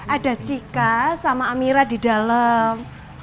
ada chica sama amira di dalam